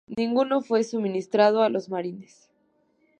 Ninguno fue suministrado a los Marines.